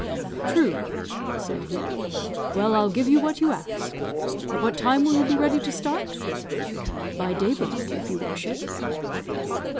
"'True,' said he. 'Well, I'll give you what you ask. At what time will you be ready to start?' "'By daybreak, if you wish it.'